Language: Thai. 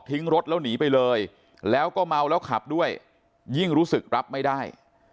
รถแล้วหนีไปเลยแล้วก็เมาแล้วขับด้วยยิ่งรู้สึกรับไม่ได้